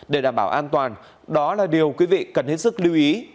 để đảm bảo an toàn đó là điều quý vị cần hết sức lưu ý